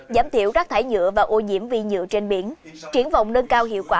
giảm thiểu rác thải nhựa và ô nhiễm vi nhựa trên biển triển vọng nâng cao hiệu quả